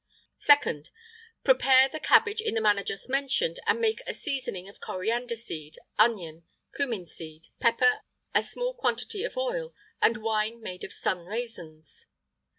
2nd. Prepare the cabbage in the manner just mentioned, and make a seasoning of coriander seed, onion, cummin seed, pepper, a small quantity of oil, and wine made of sun raisins.